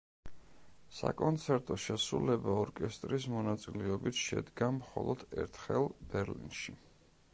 საკონცერტო შესრულება ორკესტრის მონაწილეობით შედგა მხოლოდ ერთხელ, ბერლინში.